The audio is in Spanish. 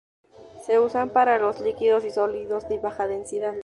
Se usan para los líquidos y sólidos de baja densidad.